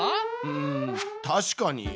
うんたしかに。